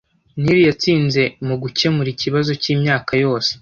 Nili yatsinze mugukemura ikibazo cyimyaka yose;